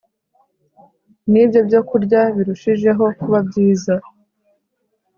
ni byo byokurya birushijeho kuba byiza